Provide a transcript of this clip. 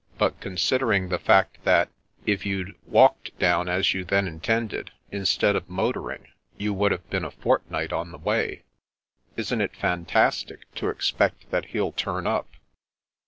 But considering the fact that, if you'd walked down as you then intended, instead of motoring, you would have been a fortnight on the way, isn't it fantastic to expect that he'll turn up?"